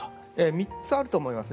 ３つあると思いますね。